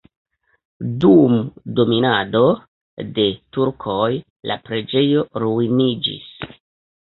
Dum dominado de turkoj la preĝejo ruiniĝis.